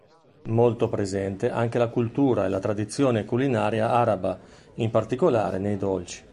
Molto presente anche la cultura e la tradizione culinaria araba, in particolare nei dolci.